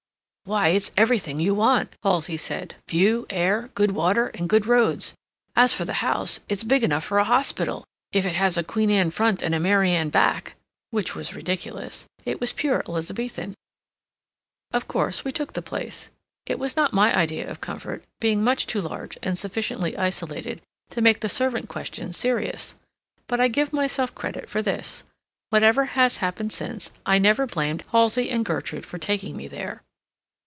"Why, it's everything you want," Halsey said "View, air, good water and good roads. As for the house, it's big enough for a hospital, if it has a Queen Anne front and a Mary Anne back," which was ridiculous: it was pure Elizabethan. Of course we took the place; it was not my idea of comfort, being much too large and sufficiently isolated to make the servant question serious. But I give myself credit for this: whatever has happened since, I never blamed Halsey and Gertrude for taking me there.